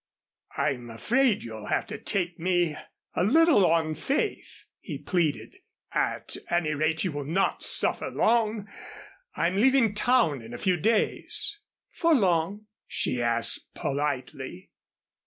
"I'm afraid you'll have to take me a little on faith," he pleaded. "At any rate you will not suffer long. I'm leaving town in a few days." "For long?" she asked politely.